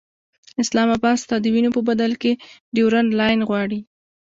اسلام اباد ستا د وینو په بدل کې ډیورنډ لاین غواړي.